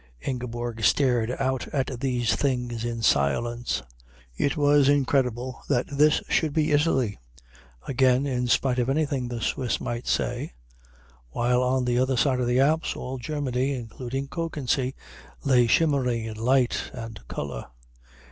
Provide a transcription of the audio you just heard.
Ingeborg stared out at these things in silence. It was incredible that this should be Italy again in spite of anything the Swiss might say while on the other side of the Alps all Germany, including Kökensee, lay shimmering in light and colour.